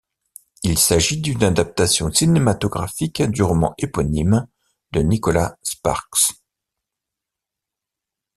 Il s'agit d'une adaptation cinématographique du roman éponyme de Nicholas Sparks.